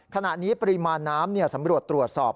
ขณะนี้ปริมาณน้ำสำรวจตรวจสอบ